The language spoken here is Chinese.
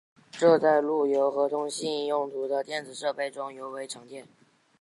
这在路由和通信用途的电子设备中尤为常见。